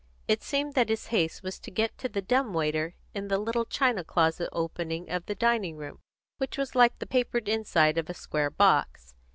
It seemed that his haste was to get to the dumb waiter in the little china closet opening off the dining room, which was like the papered inside of a square box.